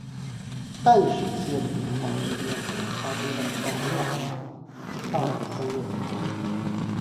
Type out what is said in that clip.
淡水蟹的演化被认为发生在冈瓦纳大陆分裂之后。